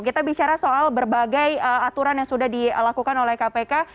kita bicara soal berbagai aturan yang sudah dilakukan oleh kpk